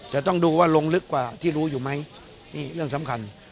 แต่ต้องดูว่าลงลึกกว่าที่รู้อยู่ไหมนี่เรื่องสำคัญ